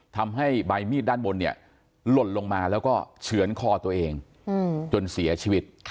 ทำให้ใบมีดด้านบนเนี่ยหล่นลงมาแล้วก็เฉือนคอตัวเองจนเสียชีวิต